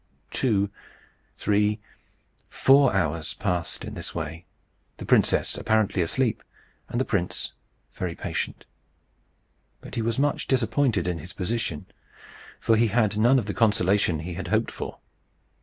Two three four hours passed in this way, the princess apparently asleep, and the prince very patient. But he was much disappointed in his position, for he had none of the consolation he had hoped for.